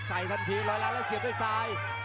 ทันทีลอยล้างแล้วเสียบด้วยซ้าย